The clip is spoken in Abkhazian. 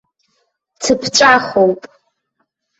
Цыԥҵәахоуп.